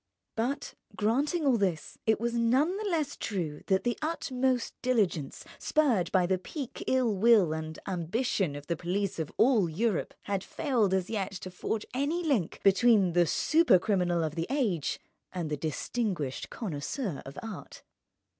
But—granting all this—it was none the less true that the utmost diligence, spurred by the pique, ill will, and ambition of the police of all Europe, had failed as yet to forge any link between the supercriminal of the age and the distinguished connoisseur of art.